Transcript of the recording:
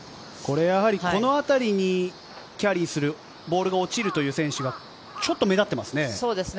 このあたりにキャリーするボールが落ちるという選手が、ちょっと目立っていますね。